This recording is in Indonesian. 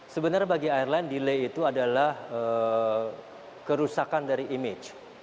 sebenarnya bagi airline delay itu adalah kerusakan dari image